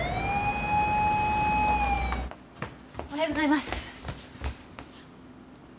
おはようございます。